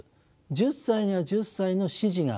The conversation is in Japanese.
１０歳には１０歳の四時がある。